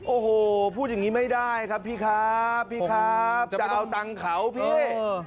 โอ้โหพูดอย่างนี้ไม่ได้ครับพี่ครับพี่ครับจะเอาตังค์เขาพี่